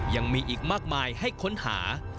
ยังมีอีกมากมายให้ค้นหา